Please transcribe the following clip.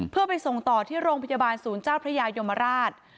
เพื่อไปส่งต่อที่โรงพยาบาลศูนย์เจ้าพระยายมราช